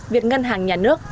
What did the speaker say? việc ngân hàng nhà nước